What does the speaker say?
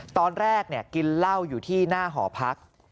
ตอนแรกกินเหล้าอยู่ที่หน้าหอพัก